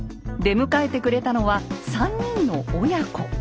出迎えてくれたのは３人の親子。